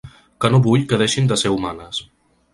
Que no vull que deixin de ser humanes.